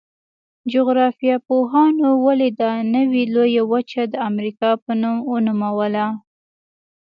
جغرافیه پوهانو ولې دا نوي لویه وچه د امریکا په نوم ونوموله؟